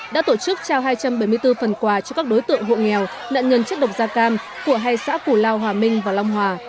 đã tổ chức trao hai trăm bảy mươi bốn phần quà cho các đối tượng hộ nghèo nạn nhân chất độc da cam của hai xã củ lao hòa minh và long hòa